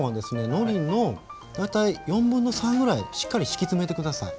のりの大体3/4ぐらいしっかり敷き詰めて下さい。